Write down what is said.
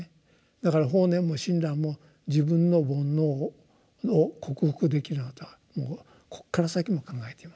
だから法然も親鸞も自分の煩悩を克服できるなんてことはこっから先も考えていません。